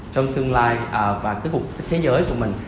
trong tương lai và cái cuộc thế giới của mình